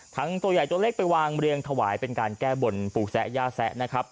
ตัวใหญ่ตัวเล็กไปวางเรียงถวายเป็นการแก้บนปู่แซะย่าแซะนะครับ